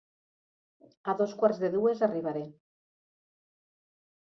A dos quarts de dues arribaré.